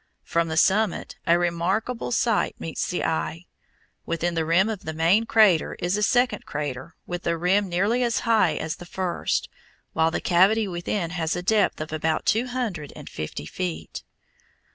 From the summit a remarkable sight meets the eye. Within the rim of the main crater is a second crater with a rim nearly as high as the first, while the cavity within has a depth of about two hundred and fifty feet.